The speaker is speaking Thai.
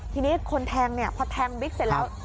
ทีนี้คนแทงเนี่ยพอแทงบิ๊กเสร็จแล้ว